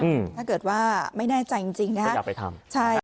ถ้าเกิดว่าไม่แน่ใจจริงจริงนะฮะอย่าไปทำใช่